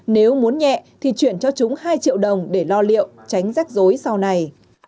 nếu muốn nhẹ thì chuyển cho chúng hai triệu đồng để lo liệu tránh rách rối sau này